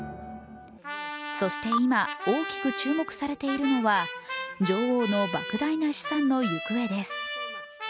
そして今、大きく注目されているのは女王のばく大な資産の行方です。